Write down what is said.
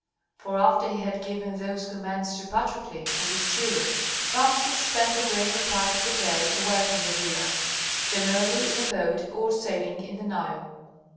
For after he had given those commands to Patrokles and the steward, Rameses spent the greater part of the day away from the villa, generally in a boat or sailing on the Nile.